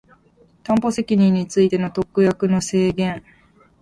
担保責任についての特約の制限